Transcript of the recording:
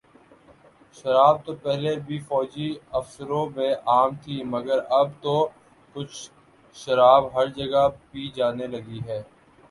شراب تو پہلے بھی فوجی آفیسروں میں عام تھی مگر اب تو کچی شراب ہر جگہ پی جانے لگی ہے